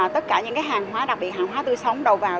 tất cả những hàng hóa đặc biệt hàng hóa tươi sống đầu vào